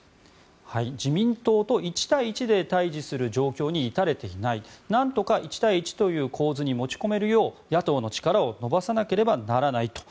自民党と１対１で対峙する状況に至れていないなんとか１対１という構図に持ち込めるよう野党の力を伸ばさなければならないと。